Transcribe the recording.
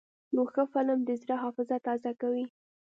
یو ښه فلم د زړه حافظه تازه کوي.